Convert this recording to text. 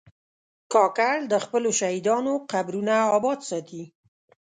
کاکړ د خپلو شهیدانو قبرونه آباد ساتي.